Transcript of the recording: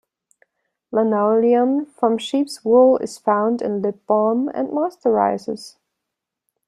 Lanolin from sheep's wool is found in lip balm and moisturizers.